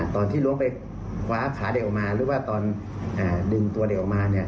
ตอนที่ล้วงไปคว้าขาเด็กออกมาหรือว่าตอนดึงตัวเด็กออกมาเนี่ย